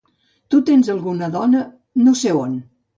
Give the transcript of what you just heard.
Tu tens alguna dona, no sé a on